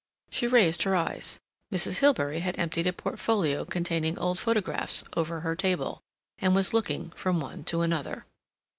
She raised her eyes. Mrs. Hilbery had emptied a portfolio containing old photographs over her table, and was looking from one to another.